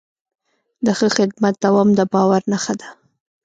د ښه خدمت دوام د باور نښه ده.